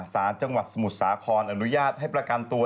สารจังหวัดสมุทรสาครอนุญาตให้ประกันตัว